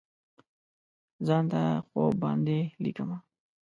ځان ته خوب باندې لیکمه